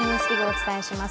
お伝えします。